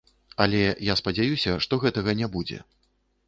Але я спадзяюся, што гэтага не будзе.